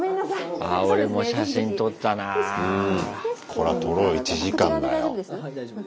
これは撮ろう１時間だよ。